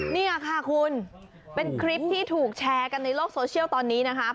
นี่ค่ะคุณเป็นคลิปที่ถูกแชร์กันในโลกโซเชียลตอนนี้นะคะ